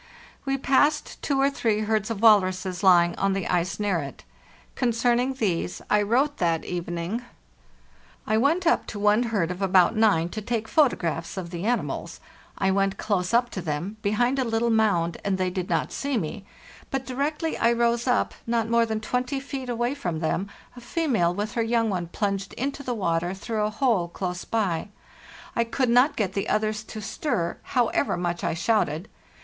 We passed two or three herds of walruses ly ing on the ice near it. Concerning these I wrote that evening: "I went up to one herd of about nine to take photographs of the animals. I went close up to them, behind a little mound, and they did not see me; but dt rectly I rose up, not more than 20 feet away from them, a female with her young one plunged into the water through a hole close by. I could not get the others to stir, however much I shouted.